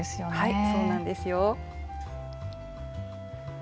はいそうなんですよ。